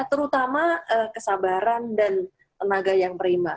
terutama kesabaran dan tenaga yang prima